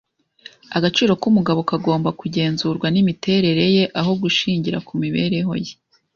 Agaciro k'umugabo kagomba kugenzurwa n'imiterere ye aho gushingira kumibereho ye.